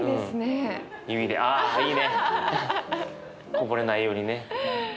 こぼれないようにね。